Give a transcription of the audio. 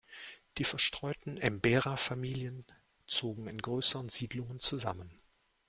Die verstreuten Embera-Familien zogen in größeren Siedlungen zusammen.